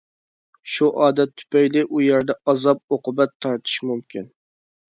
شۇ ئادەت تۈپەيلى ئۇ يەردە ئازاب-ئوقۇبەت تارتىشى مۇمكىن.